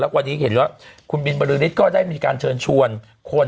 วันนี้เห็นว่าคุณบินบริษฐ์ก็ได้มีการเชิญชวนคน